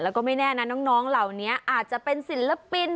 แล้วก็ไม่แน่นะน้องเหล่านี้อาจจะเป็นศิลปิน